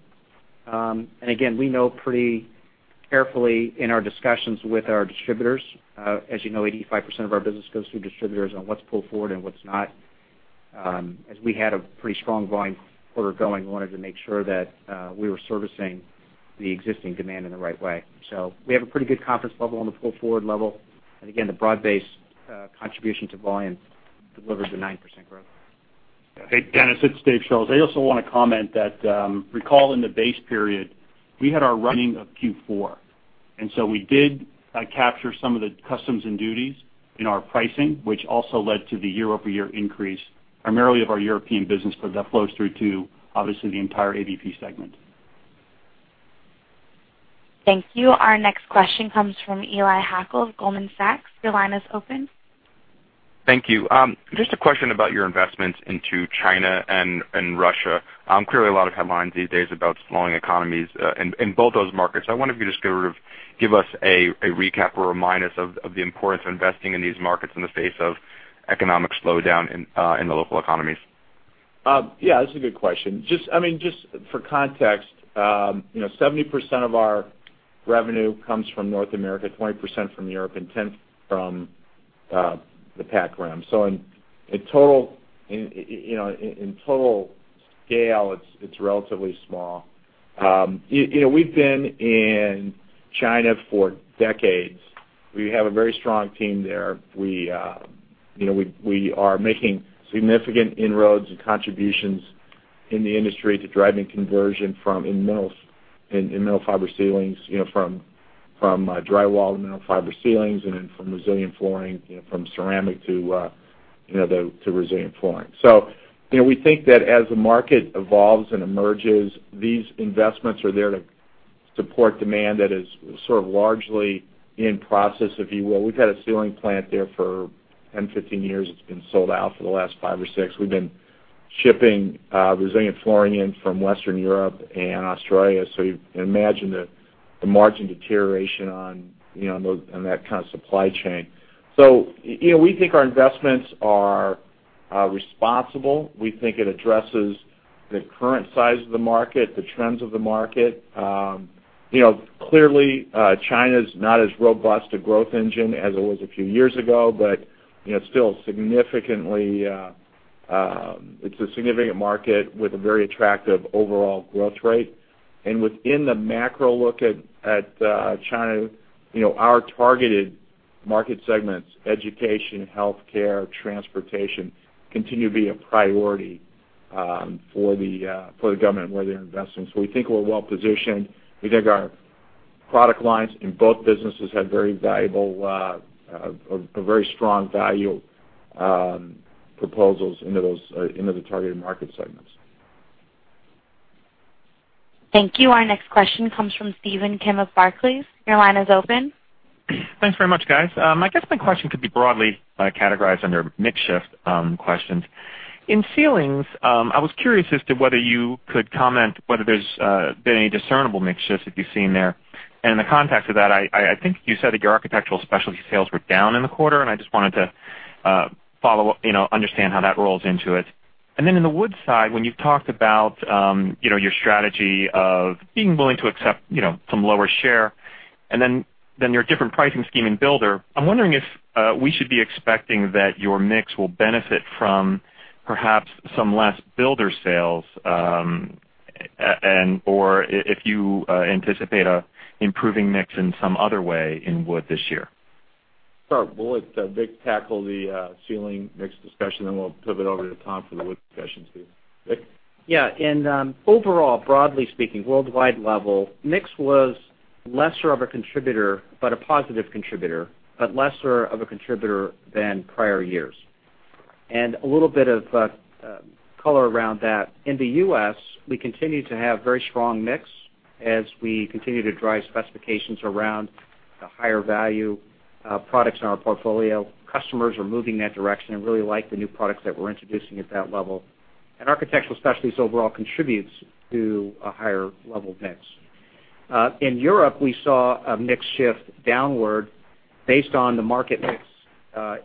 Again, we know pretty carefully in our discussions with our distributors. As you know, 85% of our business goes through distributors on what's pull forward and what's not. As we had a pretty strong volume quarter going, we wanted to make sure that we were servicing the existing demand in the right way. We have a pretty good confidence level on the pull-forward level. Again, the broad-based contribution to volume delivered the 9% growth. Hey, Dennis, it's Dave Schulz. I also want to comment that, recall in the base period, we had our running of Q4, we did capture some of the customs and duties in our pricing, which also led to the year-over-year increase, primarily of our European business. That flows through to, obviously, the entire ABP segment. Thank you. Our next question comes from Eli Hackel of Goldman Sachs. Your line is open. Thank you. Just a question about your investments into China and Russia. Clearly, a lot of headlines these days about slowing economies in both those markets. I wonder if you just could sort of give us a recap or remind us of the importance of investing in these markets in the face of economic slowdown in the local economies. Yeah, that's a good question. Just for context, 70% of our revenue comes from North America, 20% from Europe, and 10% from the Pac Rim. In total scale, it's relatively small. We've been in China for decades. We have a very strong team there. We are making significant inroads and contributions in the industry to driving conversion in mineral fiber ceilings, from drywall to mineral fiber ceilings, and then from resilient flooring, from ceramic to resilient flooring. We think that as the market evolves and emerges, these investments are there to support demand that is sort of largely in process, if you will. We've had a ceiling plant there for 10, 15 years. It's been sold out for the last five or six. We've been shipping resilient flooring in from Western Europe and Australia. You can imagine the margin deterioration on that kind of supply chain. We think our investments are responsible. We think it addresses the current size of the market, the trends of the market. Clearly, China's not as robust a growth engine as it was a few years ago, but it's a significant market with a very attractive overall growth rate. Within the macro look at China, our targeted market segments, education, healthcare, transportation, continue to be a priority for the government where they're investing. We think we're well-positioned. We think our product lines in both businesses have very strong value proposals into the targeted market segments. Thank you. Our next question comes from Stephen Kim of Barclays. Your line is open. Thanks very much, guys. I guess my question could be broadly categorized under mix shift questions. In ceilings, I was curious as to whether you could comment whether there's been any discernible mix shifts that you've seen there. In the context of that, I think you said that your Architectural Specialties sales were down in the quarter, and I just wanted to understand how that rolls into it. Then in the wood side, when you've talked about your strategy of being willing to accept some lower share and then your different pricing scheme in builder, I'm wondering if we should be expecting that your mix will benefit from perhaps some less builder sales, or if you anticipate improving mix in some other way in wood this year. Sure. We'll let Vic tackle the ceiling mix discussion, then we'll pivot over to Tom for the wood discussion, Steve. Vic? Yeah. Overall, broadly speaking, worldwide level, mix was lesser of a contributor, but a positive contributor, but lesser of a contributor than prior years. A little bit of color around that. In the U.S., we continue to have very strong mix as we continue to drive specifications around the higher value products in our portfolio. Customers are moving that direction and really like the new products that we're introducing at that level. Architectural Specialties overall contributes to a higher level of mix. In Europe, we saw a mix shift downward based on the market mix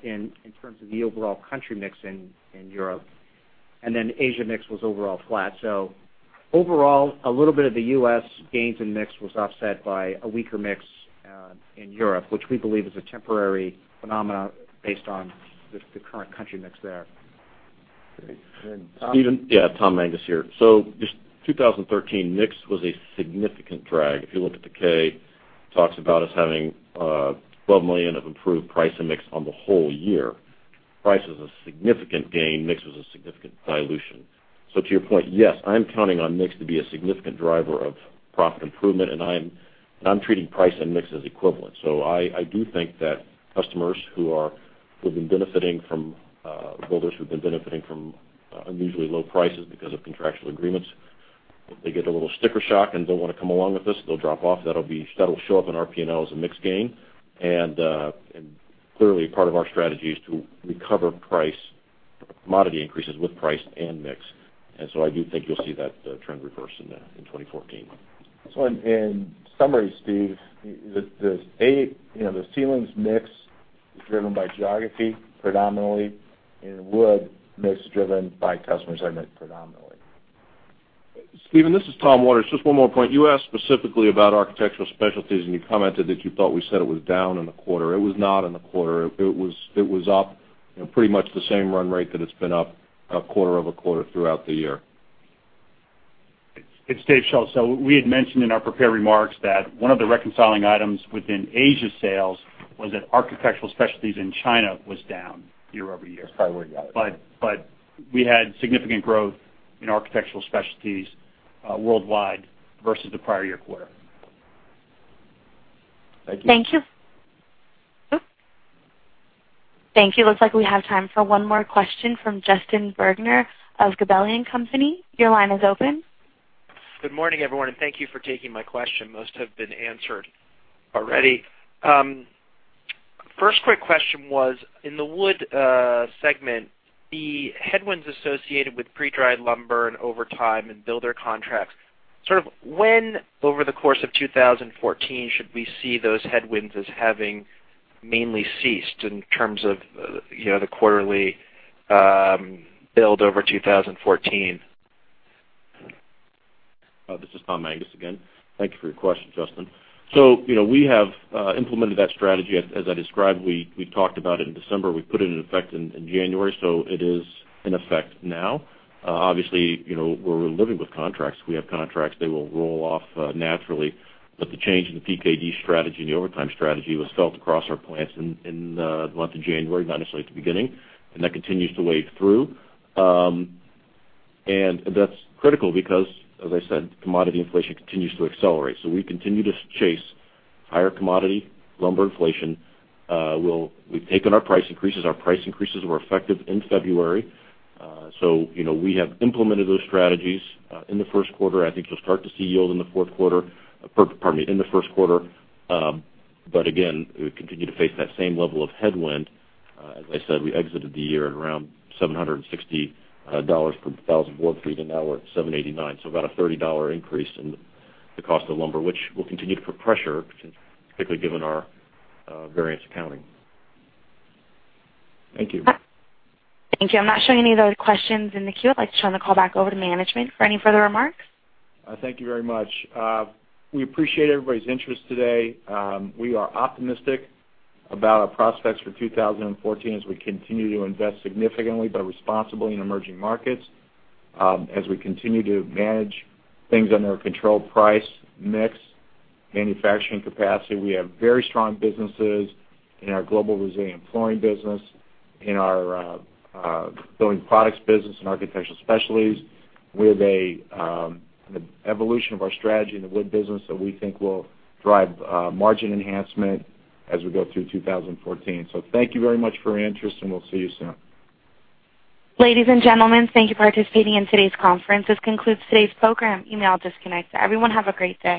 in terms of the overall country mix in Europe. Then Asia mix was overall flat. Overall, a little bit of the U.S. gains in mix was offset by a weaker mix in Europe, which we believe is a temporary phenomenon based on the current country mix there. Great. Tom. Stephen. Yeah, Tom Mangas here. Just 2013, mix was a significant drag. If you look at the 10-K, talks about us having $12 million of improved price and mix on the whole year. Price is a significant gain, mix was a significant dilution. To your point, yes, I'm counting on mix to be a significant driver of profit improvement, and I'm treating price and mix as equivalent. I do think that builders who've been benefiting from unusually low prices because of contractual agreements, they get a little sticker shock and don't want to come along with us, they'll drop off. That'll show up in our P&L as a mix gain. Clearly, part of our strategy is to recover commodity increases with price and mix. I do think you'll see that trend reverse in 2014. In summary, Steve, the ceilings mix is driven by geography predominantly, and wood mix is driven by customer segment predominantly. Stephen, this is Tom Waters. Just one more point. You asked specifically about Architectural Specialties, you commented that you thought we said it was down in the quarter. It was not in the quarter. It was up pretty much the same run rate that it's been up quarter-over-quarter throughout the year. It's David Schulz. We had mentioned in our prepared remarks that one of the reconciling items within Asia sales was that Architectural Specialties in China was down year-over-year. That's probably where you got it. We had significant growth in Architectural Specialties worldwide versus the prior year quarter. Thank you. Thank you. Looks like we have time for one more question from Justin Bergner of Gabelli & Company. Your line is open. Good morning, everyone, and thank you for taking my question. Most have been answered already. First quick question was, in the wood segment, the headwinds associated with pre-dried lumber and overtime and builder contracts, sort of when over the course of 2014 should we see those headwinds as having mainly ceased in terms of the quarterly build over 2014? This is Tom Mangas again. Thank you for your question, Justin. We have implemented that strategy. As I described, we talked about it in December. We put it in effect in January. It is in effect now. Obviously, we're living with contracts. We have contracts. They will roll off naturally. The change in the PKD strategy and the overtime strategy was felt across our plants in the month of January, not necessarily at the beginning, and that continues to wave through. That's critical because, as I said, commodity inflation continues to accelerate. We continue to chase higher commodity lumber inflation. We've taken our price increases. Our price increases were effective in February. We have implemented those strategies in the first quarter. I think you'll start to see yield in the first quarter. Again, we continue to face that same level of headwind. As I said, we exited the year at around $760 per thousand board feet, and now we're at $789, so about a $30 increase in the cost of lumber, which will continue to put pressure, particularly given our variance accounting. Thank you. Thank you. I'm not showing any other questions in the queue. I'd like to turn the call back over to management for any further remarks. Thank you very much. We appreciate everybody's interest today. We are optimistic about our prospects for 2014 as we continue to invest significantly but responsibly in emerging markets, as we continue to manage things under our control, price, mix, manufacturing capacity. We have very strong businesses in our global resilient flooring business, in our Building Products business, in Architectural Specialties, with the evolution of our strategy in the wood business that we think will drive margin enhancement as we go through 2014. Thank you very much for your interest, and we'll see you soon. Ladies and gentlemen, thank you for participating in today's conference. This concludes today's program. You may all disconnect now. Everyone, have a great day.